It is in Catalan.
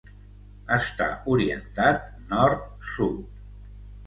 Està orientat nord-sud.